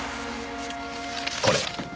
これ。